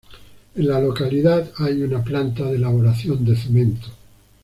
En la localidad hay una planta de elaboración de cemento.